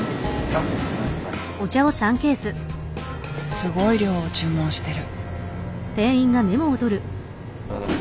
すごい量を注文してる。